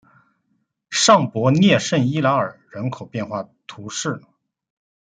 尚帕涅圣伊莱尔人口变化图示